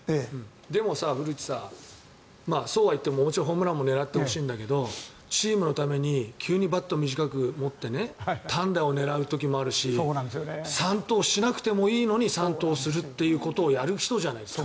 でもさ、古内さそうはいってももちろんホームランも狙ってほしいんだけどチームのために急にバットを短く持って単打を狙う時もあるし三盗しなくてもいいのに三盗するということをやる人じゃないですか。